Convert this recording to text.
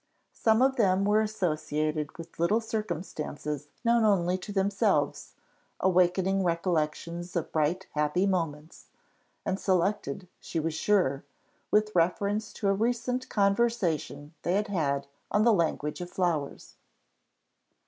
Some of them were associated with little circumstances known only to themselves, awakening recollections of bright, happy moments, and selected, she was sure, with reference to a recent conversation they had had on the language of flowers.